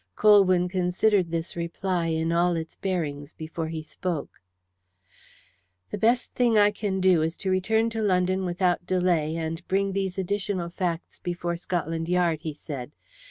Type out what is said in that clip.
Colwyn considered this reply in all its bearings before he spoke. "The best thing I can do is to return to London without delay and bring these additional facts before Scotland Yard," he said.